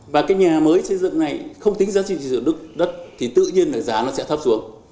và cái nhà mới xây dựng ngay không tính giá trị sử dụng đất thì tự nhiên là giá nó sẽ thấp xuống